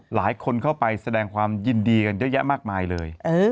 หลายคนเข้าไปแสดงความยินดีกันเยอะแยะมากมายเลย